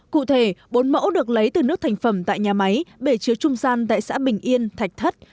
cụ thể bốn mẫu được lấy từ nước thành phẩm tại nhà máy bể chứa trung gian tại xã bình yên thạch thất